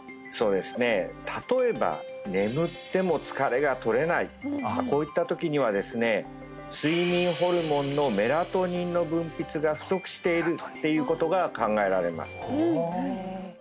そうですね例えば眠っても疲れが取れないこういったときにはですね睡眠ホルモンのメラトニンの分泌が不足しているっていうことが考えられます